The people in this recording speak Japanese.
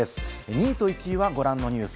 ２位と１位はご覧のニュース。